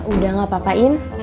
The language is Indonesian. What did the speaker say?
udah gak apa apain